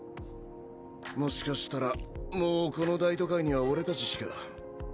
もしかしたらもうこの大都会には俺たちしか。